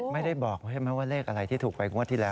ไม่ได้บอกว่าเลขอะไรที่ถูกไปคงว่าที่แล้ว